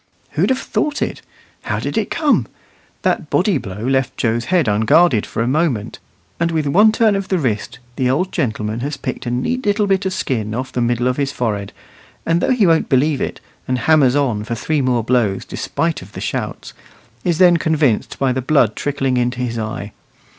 Who'd have thought it? How did it come? That body blow left Joe's head unguarded for a moment; and with one turn of the wrist the old gentleman has picked a neat little bit of skin off the middle of his forehead; and though he won't believe it, and hammers on for three more blows despite of the shouts, is then convinced by the blood trickling into his eye.